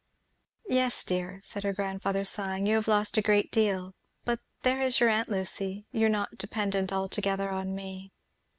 "Yes dear!" said her grandfather, sighing, "you have lost a great deal! But there is your aunt Lucy you are not dependent altogether on me."